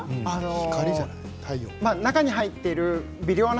中に入っている微量な